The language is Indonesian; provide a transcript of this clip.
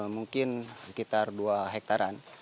mungkin sekitar dua hektaran